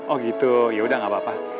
oh gitu yaudah gak apa apa